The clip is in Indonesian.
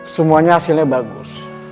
semuanya hasilnya bagus